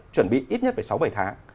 chuẩn bị ít nhất sáu bảy tháng